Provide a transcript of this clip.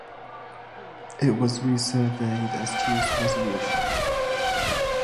It was resurveyed as "Chew's Resolution".